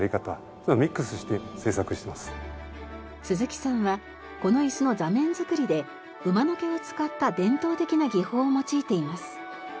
鈴木さんはこの椅子の座面作りで馬の毛を使った伝統的な技法を用いています。